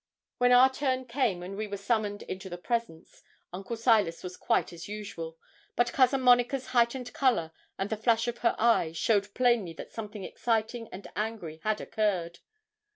When our turn came and we were summoned to the presence, Uncle Silas was quite as usual; but Cousin Monica's heightened colour, and the flash of her eyes, showed plainly that something exciting and angry had occurred.